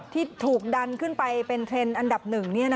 ที่ถูกดันขึ้นไปเป็นเทรนด์อันดับหนึ่ง